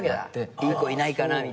いい子いないかなみたいな。